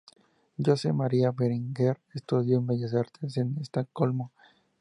Josep Maria Berenguer estudió Bellas Artes en Estocolmo.